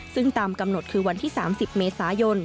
ซึ่งตามกำหนดคือวันที่๓๐เมษายน